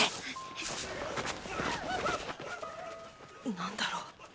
何だろう？